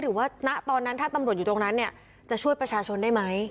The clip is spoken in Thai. ณตอนนั้นถ้าตำรวจอยู่ตรงนั้นเนี่ยจะช่วยประชาชนได้ไหม